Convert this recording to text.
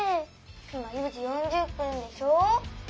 今４時４０分でしょ。